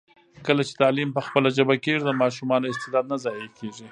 کله چي تعلیم په خپله ژبه کېږي، د ماشومانو استعداد نه ضایع کېږي.